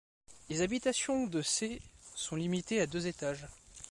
Les habitations de ses sont limitées à deux étages.